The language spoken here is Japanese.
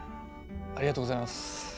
ありがとうございます。